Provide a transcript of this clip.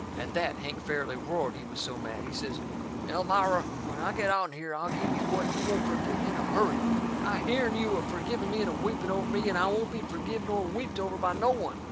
At that Hank fairly roared, he was so mad. He says: "Elmira, when I get out'n here I'll give you what you won't fergit in a hurry. I hearn you a forgiving me and a weeping over me, and I won't be forgive nor weeped over by no one!